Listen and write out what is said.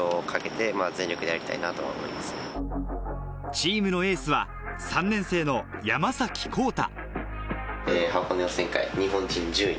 チームのエースは３年生の山崎皓太。